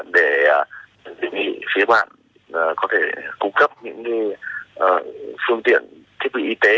để tìm hiểu phía bạn có thể cung cấp những phương tiện thiết bị y tế